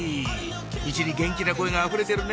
ミチに元気な声があふれてるね